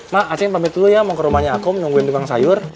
ma aceh mau ke rumahnya aku menunggu di ruang sayur